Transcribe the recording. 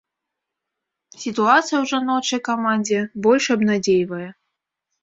Сітуацыя ў жаночай камандзе больш абнадзейвае.